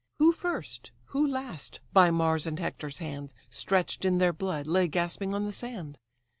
Who first, who last, by Mars' and Hector's hand, Stretch'd in their blood, lay gasping on the sand?